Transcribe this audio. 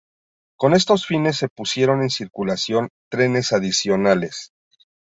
Con estos fines se pusieron en circulación trenes adicionales.